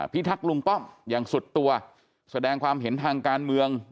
ทักษ์ลุงป้อมอย่างสุดตัวแสดงความเห็นทางการเมือง